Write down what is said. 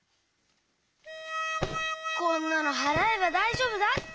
こんなのはらえばだいじょうぶだって！